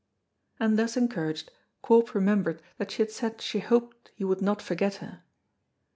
And thus encouraged Corp remembered that she had said she hoped he would not forget her.